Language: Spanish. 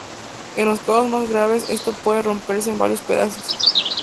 En los casos más graves, este puede romperse en varios pedazos.